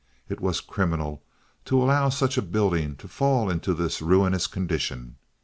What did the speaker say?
It was criminal to allow such a building to fall into this ruinous condition.